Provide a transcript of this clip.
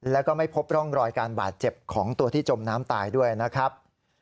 แล้วก็ไม่พบร่องรอยการบาดเจ็บของตัวที่จมน้ำตายด้วยนะครับ